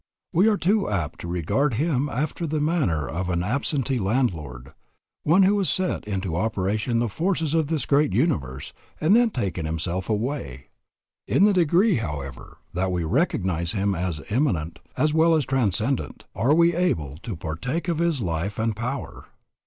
We are too apt to regard Him after the manner of an absentee landlord, one who has set into operation the forces of this great universe, and then taken Himself away. In the degree, however, that we recognize Him as immanent as well as transcendent, are we able to partake of His life and power.